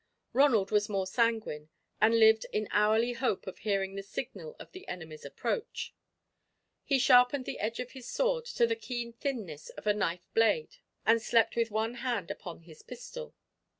Ronald was more sanguine, and lived in hourly hope of hearing the signal of the enemy's approach. He sharpened the edge of his sword to the keen thinness of a knife blade, and slept with one hand upon his pistol.